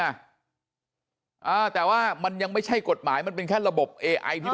อ่าแต่ว่ามันยังไม่ใช่กฎหมายมันเป็นแค่ระบบเอไอที่